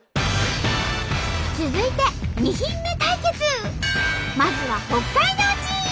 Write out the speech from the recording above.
続いてまずは北海道チーム！